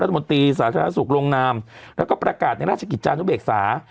รัฐมนตรีสาธารณสุขลงนามแล้วก็ประกาศในราชกิจจานุเบกษา